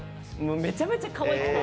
めちゃめちゃかわいくて。